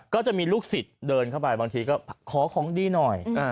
ก็จะมีลูกศิษย์เดินเข้าไปบางทีก็ขอของดีหน่อย